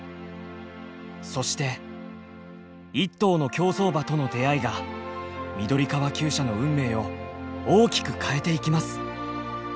そして一頭の競走馬との出会いが緑川きゅう舎の運命を大きく変えていきます。